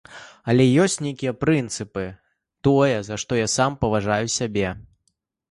Але ёсць нейкія прынцыпы, тое, за што я сам паважаю сябе.